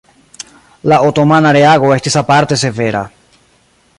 La otomana reago estis aparte severa.